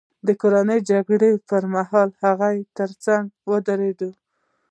د کورنۍ جګړې پرمهال د هغه ترڅنګ ودرېدل.